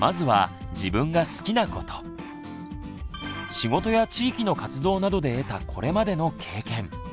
仕事や地域の活動などで得たこれまでの経験。